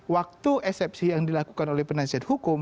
waktu eksepsi yang dilakukan oleh penasihat hukum